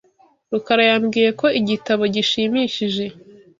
Rukara yambwiye ko igitabo gishimishije.